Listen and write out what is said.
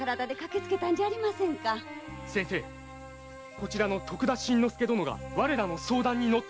こちらの徳田新之助殿が我らの相談に乗ってくれます。